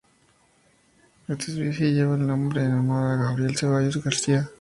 Esta especie lleva el nombre en honor a Gabriel Cevallos García.